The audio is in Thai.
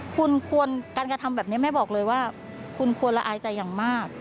คุณควรการกระทำแบบนี้แม่บอกเลยว่าคุณควรละอายใจอย่างมาก